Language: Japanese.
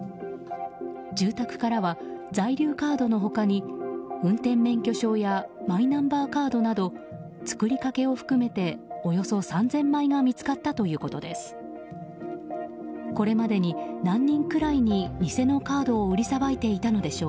住宅からは在留カードの他に運転免許証やマイナンバーカードなど作りかけを含めておよそ３０００枚が見つかったということです。